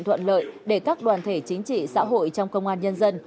đề án tổ chức và hoạt động của các đoàn thể chính trị xã hội trong công an nhân dân